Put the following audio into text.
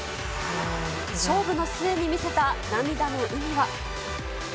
勝負の末に見せた涙の意味は。